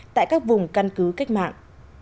tại các vùng căn cứ cách mạng